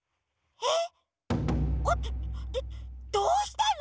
えっ！？